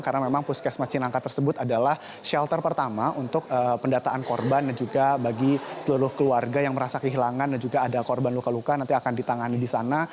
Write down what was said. karena memang puskesmas cinangka tersebut adalah shelter pertama untuk pendataan korban dan juga bagi seluruh keluarga yang merasa kehilangan dan juga ada korban luka luka nanti akan ditangani di sana